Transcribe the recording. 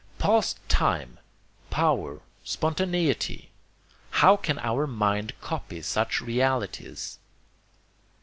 'Past time,' 'power,' 'spontaneity' how can our mind copy such realities?